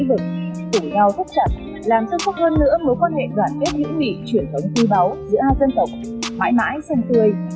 đời đời bình tĩnh